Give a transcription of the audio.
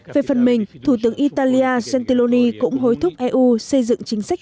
về phần mình thủ tướng italia stioni cũng hối thúc eu xây dựng chính sách